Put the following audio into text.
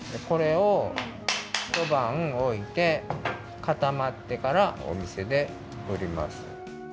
これをひとばんおいてかたまってからおみせでうります。